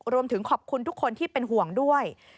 รวมถึงขอบคุณทุกคนที่เป็นห่วงด้วย